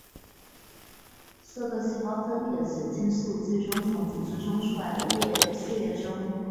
嗜铬细胞分泌的血清素最终从组织中出来进入血液中。